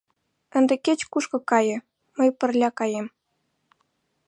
Ынде кеч-кушко кае — мый пырля каем.